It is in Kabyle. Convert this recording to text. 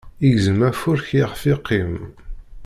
Igzem afurk iɣef iqqim.